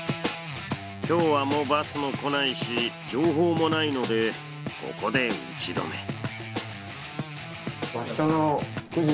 今日はもうバスも来ないし情報もないのでここで打ち止め。